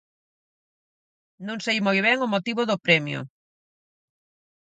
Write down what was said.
Non sei moi ben o motivo do premio.